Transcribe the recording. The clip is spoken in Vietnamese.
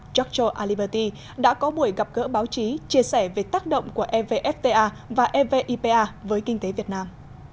giorgio aliberti đã có buổi gặp gỡ báo chí chia sẻ về tác động của evfta và evipa với kinh tế việt nam